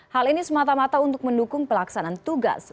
hal ini semata mata untuk mendukung pelaksanaan tugas